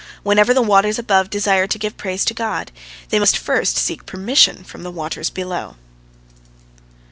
Whenever the waters above desire to give praise to God, they must first seek permission from the waters below.